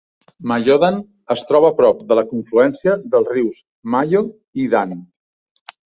Mayodan es troba a prop de la confluència dels rius Mayo i Dan.